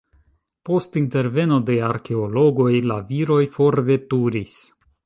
Post interveno de arkeologoj la viroj forveturis.